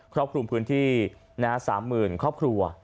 รอบคลุมพื้นที่๓๐๐๐ครอบครัว